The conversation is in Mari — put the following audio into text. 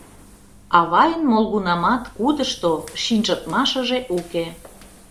Авайын молгунамат кудышто шинчылтмашыже уке.